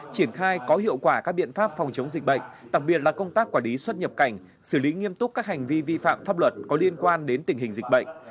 triển khai có hiệu quả các biện pháp phòng chống dịch bệnh đặc biệt là công tác quản lý xuất nhập cảnh xử lý nghiêm túc các hành vi vi phạm pháp luật có liên quan đến tình hình dịch bệnh